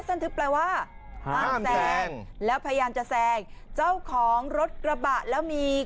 ทึบแปลว่าห้ามแซงแล้วพยายามจะแซงเจ้าของรถกระบะแล้วมี